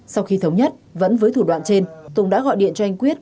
sau khi thống nhất vẫn với thủ đoạn trên tùng đã gọi điện cho anh quyết